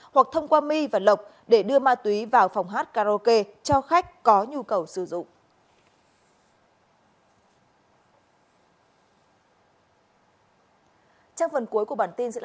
hoặc thông qua my và lộc để đưa ma túy vào phòng hát karaoke cho khách có nhu cầu sử dụng